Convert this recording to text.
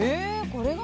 これが？